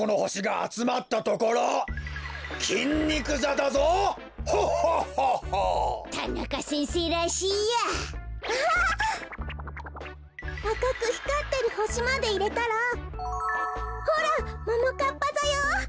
あかくひかってるほしまでいれたらほらももかっぱざよ！